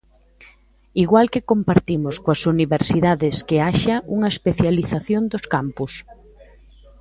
Igual que compartimos coas universidades que haxa unha especialización dos campus.